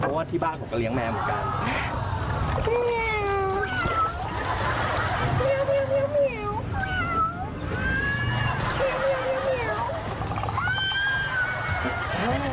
เพราะว่าที่บ้านผมก็เลี้ยงแมวเหมือนกัน